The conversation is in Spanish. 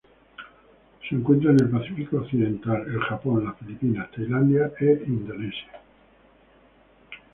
Se encuentra en el Pacífico occidental: el Japón, las Filipinas, Tailandia y Indonesia.